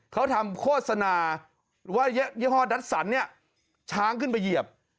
เขาทำโฆษณาว่ายี่ห้อดัสสันเนี่ยช้างขึ้นไปเหยียบ